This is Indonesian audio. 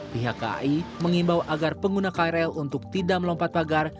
pihak kai mengimbau agar pengguna krl untuk tidak melompat pagar